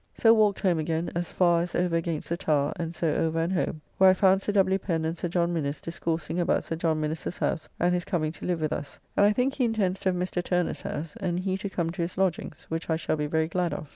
So walked home again as far as over against the Towre, and so over and home, where I found Sir W. Pen and Sir John Minnes discoursing about Sir John Minnes's house and his coming to live with us, and I think he intends to have Mr. Turner's house and he to come to his lodgings, which I shall be very glad of.